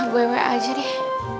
guewek aja deh